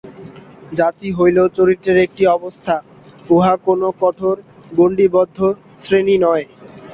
জাতি হইল চরিত্রের একটি অবস্থা, উহা কোন কঠোর গণ্ডীবদ্ধ শ্রেণী নয়।